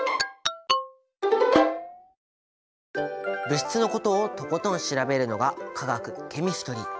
物質のことをとことん調べるのが化学ケミストリー。